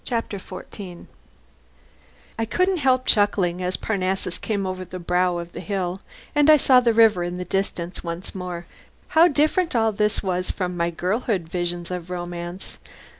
CHAPTER FOURTEEN I couldn't help chuckling, as Parnassus came over the brow of the hill, and I saw the river in the distance once more. How different all this was from my girlhood visions of romance.